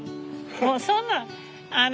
もうそんなんあの。